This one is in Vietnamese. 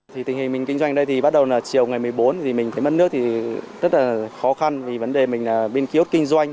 thì tình hình mình kinh doanh ở đây thì bắt đầu là chiều ngày một mươi bốn thì mình thấy mất nước thì rất là khó khăn vì vấn đề mình là bên ký ốt kinh doanh